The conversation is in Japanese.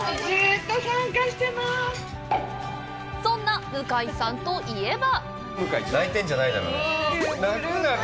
そんな向井さんといえば。